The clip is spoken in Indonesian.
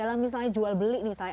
dalam misalnya jual beli nih misalnya